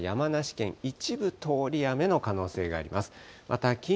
関東や山梨県、一部通り雨の可能性があります。